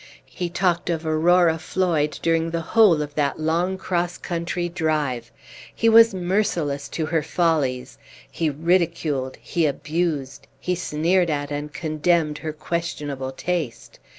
He talked of Aurora Floyd during the whole of that long cross country drive. He was merciless to her follies; he ridiculed, he abused, he sneered at and condemned her questionable taste.